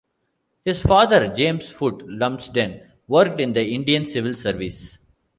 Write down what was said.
His father, James Foot Lumsden, worked in the Indian Civil Service.